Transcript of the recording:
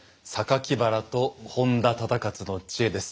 原と本多忠勝の知恵です。